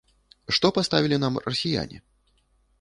Што паставілі нам расіяне?